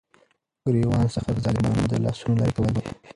ګريوان څخه دظالمانو دلاسونو ليري كول دي ،